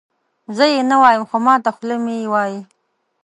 زه یې نه وایم خو ماته خوله مې یې وایي.